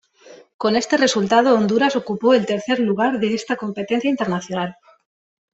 Con este resultado Honduras ocupó el tercer lugar de esta competencia internacional.